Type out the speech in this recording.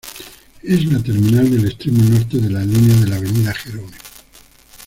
Es la terminal del extremo norte de la línea de la Avenida Jerome.